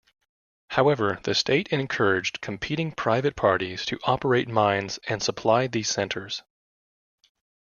However, the state encouraged competing private parties to operate mines and supply these centers.